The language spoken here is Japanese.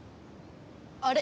あれ？